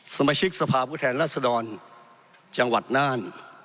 สมาชิกสภาพภูเทศราษฎรจังหวัดน่าน